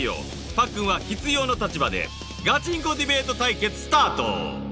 パックンは「必要」の立場でガチンコディベート対決スタート